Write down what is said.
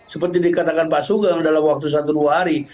seperti dikatakan pak sugeng dalam waktu satu dua hari